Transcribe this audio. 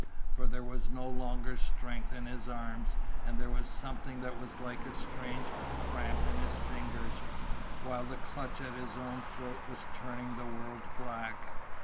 For there was no longer strength in his arms, and there was something that was like a strange cramp in his fingers, while the clutch at his own throat was turning the world black.